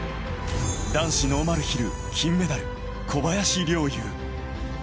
男子ノーマルヒル金メダル、小林陵侑。